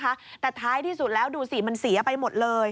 แต่ท้ายที่สุดแล้วดูสิมันเสียไปหมดเลย